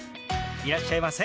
いらっしゃいませ。